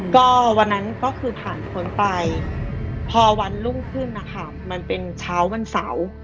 ก็วันนั้นก็คือผ่านพ้นไปพอวันรุ่งขึ้นนะคะมันเป็นเช้าวันเสาร์